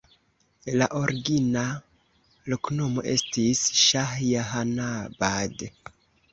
La origina loknomo estis Ŝahjahanabad.